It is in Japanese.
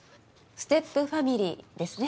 「ステップファミリー」ですね。